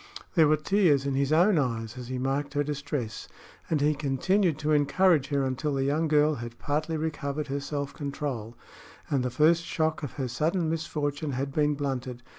There were tears in his own eyes as he marked her distress, and he continued to encourage her until the young girl had partly recovered her self control and the first shock of her sudden misfortune had been blunted.